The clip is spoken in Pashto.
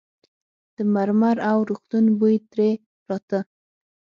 د مرمر او روغتون بوی ترې راته.